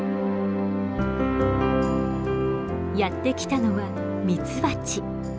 やって来たのはミツバチ。